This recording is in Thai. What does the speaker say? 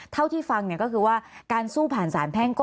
เท่าที่ฟังเนี้ยก็คือว่าการสู้ผ่านสารแพร่